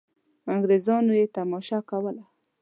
انګرېزانو یې تماشه کوله.